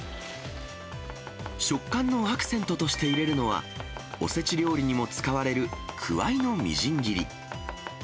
食感のアクセントとして入れるのは、おせち料理にも使われるクワイのみじん切り。